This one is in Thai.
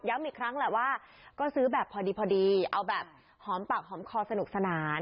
อีกครั้งแหละว่าก็ซื้อแบบพอดีพอดีเอาแบบหอมปากหอมคอสนุกสนาน